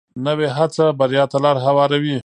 نوې هڅه بریا ته لار هواروي